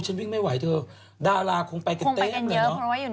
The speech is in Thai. เดี๋ยวเราจะมีโต้แทนของเราไป